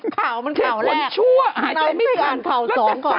ข้าวมันข้าวแรก